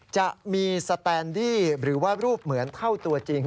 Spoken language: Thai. จะมีสแตนดี้หรือว่ารูปเหมือนเท่าตัวจริง